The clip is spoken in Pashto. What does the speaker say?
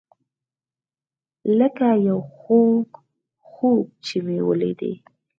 لکه یو خوږ خوب چې مې لیدی.